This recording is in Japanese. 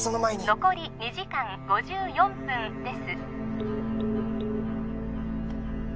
残り２時間５４分です